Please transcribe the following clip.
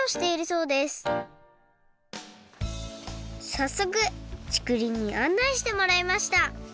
さっそくちくりんにあんないしてもらいました